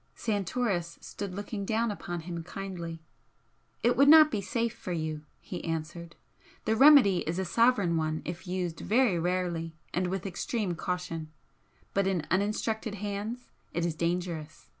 Santoris stood looking down upon him kindly. "It would not be safe for you," he answered "The remedy is a sovereign one if used very rarely, and with extreme caution, but in uninstructed hands it is dangerous.